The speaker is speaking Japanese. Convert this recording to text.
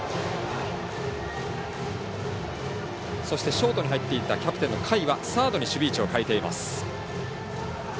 ショートに入っていたキャプテンの甲斐はサードに守備位置を変えています。